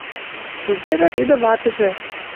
Тугеже тиде — ватыже.